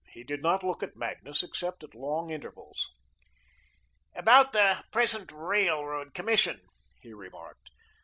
He did not look at Magnus, except at long intervals. "About the present Railroad Commission," he remarked.